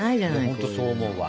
本当そう思うわ。